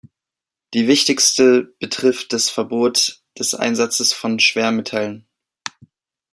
Die wichtigste betrifft das Verbot des Einsatzes von Schwermetallen.